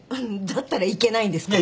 だったらいけないんですか？